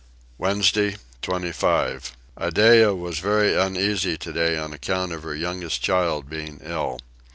Wednesday 25. Iddeah was very uneasy today on account of her youngest child being ill.